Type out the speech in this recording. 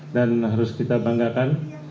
dan harus kita banggakan